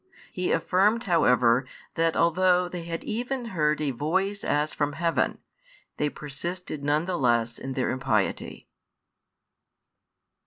He affirmed however that although they had even heard a Voice as from heaven, they persisted none the less in their impiety.